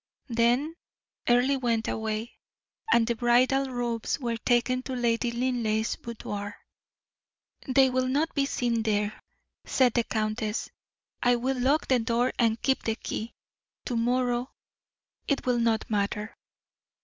Then Earle went away, and the bridal robes were taken to Lady Linleigh's boudoir. "They will not be seen there," said the countess. "I will lock the door and keep the key; to morrow it will not matter."